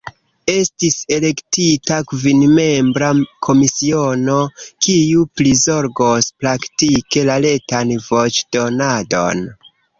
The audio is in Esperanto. Estis elektita kvinmembra komisiono, kiu prizorgos praktike la retan voĉdonadon.